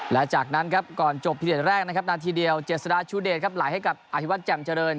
และจากนั้นครับก่อนจบพิเดชแรกนะครับนาทีเดียวเจษฎาชูเดชครับไหลให้กับอธิวัตรแจ่มเจริญ